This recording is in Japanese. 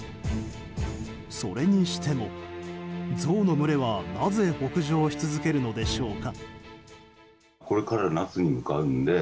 それにしてもゾウの群れはなぜ北上し続けるのでしょうか。